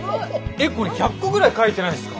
えっこれ１００個ぐらい書いてないすか？